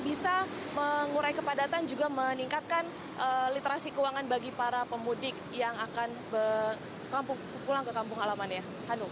bisa mengurai kepadatan juga meningkatkan literasi keuangan bagi para pemudik yang akan pulang ke kampung halamannya